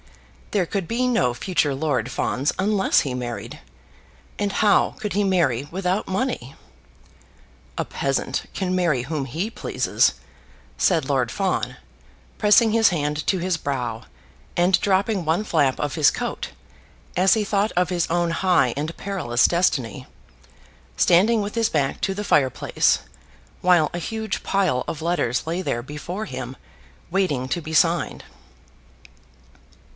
There could be no future Lord Fawns unless he married; and how could he marry without money? "A peasant can marry whom he pleases," said Lord Fawn, pressing his hand to his brow, and dropping one flap of his coat, as he thought of his own high and perilous destiny, standing with his back to the fire place, while a huge pile of letters lay there before him waiting to be signed.